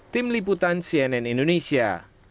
tim liputan cnn indonesia